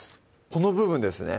この部分ですね